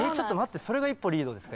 それが一歩リードですか？